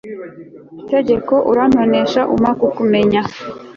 tegeko, urantonesha umpa kukumenya